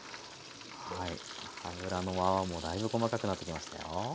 油の泡もだいぶ細かくなってきましたよ。